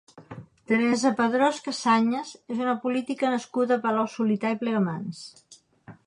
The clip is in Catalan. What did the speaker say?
Teresa Padrós Casañas és una política nascuda a Palau-solità i Plegamans.